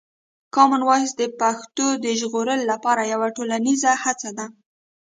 کامن وایس د پښتو د ژغورلو لپاره یوه ټولنیزه هڅه ده.